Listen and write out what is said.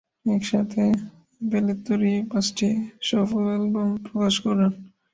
একসাথে, ইমপেলিত্তেরি পাঁচটি সফল অ্যালবাম প্রকাশ করেন।